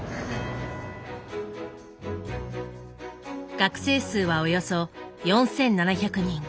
学生数はおよそ４，７００人。